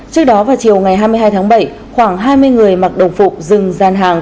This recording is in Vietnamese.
trước đó vào chiều ngày hai mươi hai tháng bảy khoảng hai mươi người mặc đồng phục dừng gian hàng